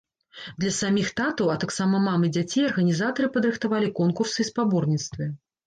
Для саміх татаў, а таксама мам і дзяцей арганізатары падрыхтавалі конкурсы і спаборніцтвы.